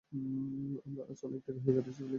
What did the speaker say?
আমরা আজ অনেক দেরি করে ফেলেছি।